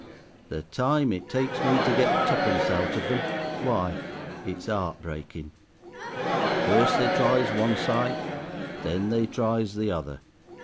The time it takes me to get tuppence out of them, why, it's 'eart breaking. First they tries one side, then they tries the other.